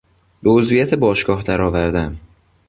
به عضویت باشگاه درآوردن